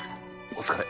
お疲れ。